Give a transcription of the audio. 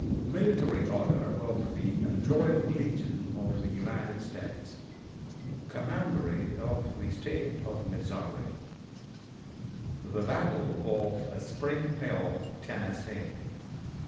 Military Order OF THE Loyal Legion of the United States COMMANDERY OF THE STATE OF MISSOURI The Battle of Spring Hill, Tennessee.